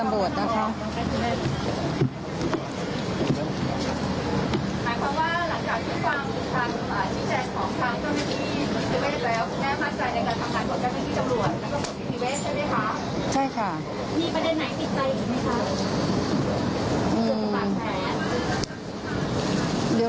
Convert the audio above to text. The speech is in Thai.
หลังจากที่ฟังค่านิดแห่งของทางต้นที่นิติเวศแล้ว